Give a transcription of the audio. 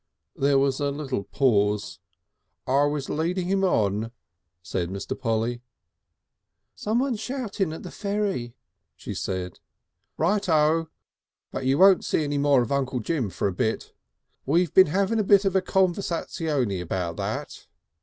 There was a little pause. "I was leading him on," said Mr. Polly. "Someone's shouting at the ferry," she said. "Right O. But you won't see any more of Uncle Jim for a bit. We've been having a conversazione about that."